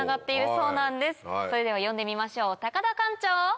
それでは呼んでみましょう高田館長！